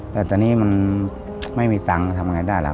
แต่ตอนนี้มันไม่มีตังค์ทำไงได้แล้ว